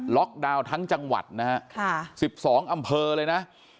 ล็อกดาวน์ทั้งจังหวัดนะฮะค่ะสิบสองอำเภอเลยนะถ๊า